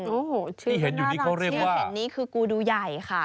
โอ้โหชื่อก็น่ารักชื่อเห็นนี้คือกูดูใหญ่ค่ะ